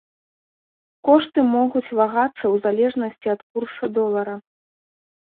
Кошты могуць вагацца ў залежнасці ад курса долара.